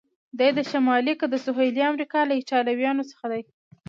دی د شمالي که د سهیلي امریکا له ایټالویانو څخه دی؟